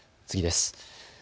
次です。